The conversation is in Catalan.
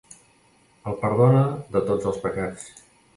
El perdona de tots els pecats.